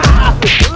tidak ada kesalahan